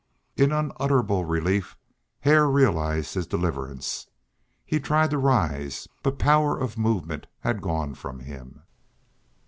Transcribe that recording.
In unutterable relief Hare realized his deliverance. He tried to rise, but power of movement had gone from him.